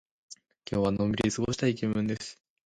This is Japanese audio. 今日はのんびり過ごしたい気分です。